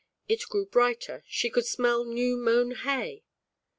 It grew brighter, she could smell new mown hay.